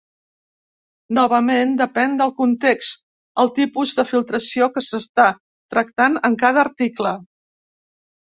Novament, depèn del context el tipus de filtració que s'està tractant en cada article.